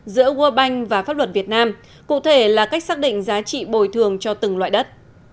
giữa world bank và pháp luật việt nam cụ thể là cách xác định giá trị bồi thường cho từng loại đất